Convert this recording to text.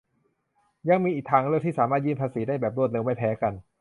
ยังมีอีกทางเลือกที่สามารถยื่นภาษีได้แบบรวดเร็วไม่แพ้กัน